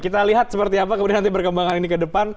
kita lihat seperti apa kemudian nanti berkembangannya ke depan